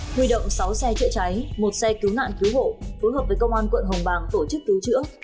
huy động sáu xe trịa trái một xe cứu nạn cứu hộ phối hợp với công an quận hồng bàng tổ chức cứu trữa